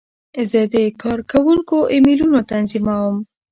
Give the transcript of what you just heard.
زه د کارکوونکو ایمیلونه تنظیموم.